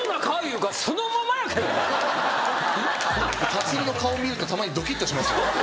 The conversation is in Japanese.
立の顔見るとたまにドキッとします。